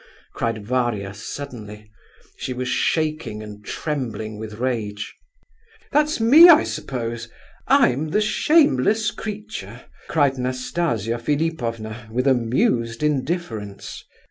cried Varia, suddenly. She was shaking and trembling with rage. "That's me, I suppose. I'm the shameless creature!" cried Nastasia Philipovna, with amused indifference.